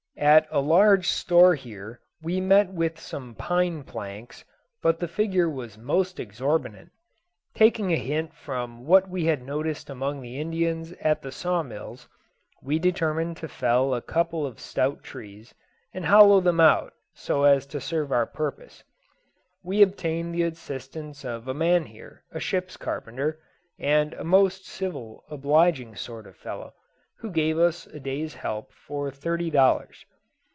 At a large store here we met with some pine planks, but the figure was most exorbitant. Taking a hint from what we had noticed among the Indians at the saw mills, we determined to fell a couple of stout trees, and hollow them out so as to serve our purpose. We obtained the assistance of a man here, a ship's carpenter, and a most civil obliging sort of fellow, who gave us a day's help for thirty dollars.